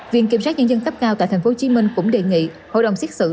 viện kiểm sát nhân dân cấp cao tại tp hcm cũng đề nghị hội đồng xét xử